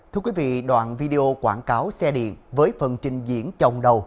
thưa quý vị đoạn video quảng cáo xe điện với phần trình diễn chồng đầu